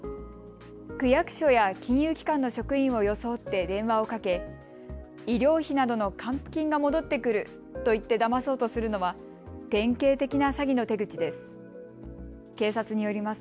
区役所や金融機関の職員を装って電話をかけ医療費などの還付金が戻ってくると言ってだまそうとするのは典型的な詐欺の手口です。